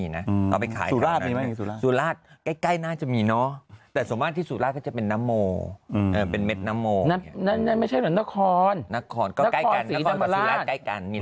หายไปจะสมุยสิ้นเดือนนี้